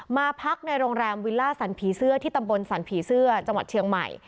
มาพักในโรงแรมวิลล่าสันผีเสื้อที่ตำบลสรรผีเสื้อจังหวัดเชียงใหม่